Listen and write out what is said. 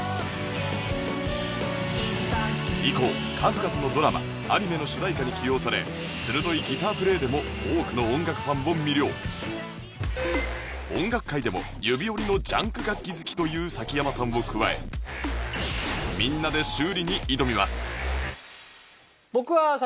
以降数々のドラマアニメの主題歌に起用され鋭いギタープレイでも多くの音楽ファンを魅了という崎山さんも加えみんなで修理に挑みます